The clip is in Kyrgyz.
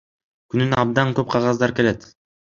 Күнүнө абдан көп кагаздар келет.